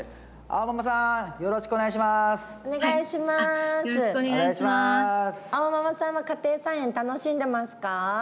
あおママさんは家庭菜園楽しんでますか？